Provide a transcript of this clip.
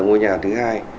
ngôi nhà thứ hai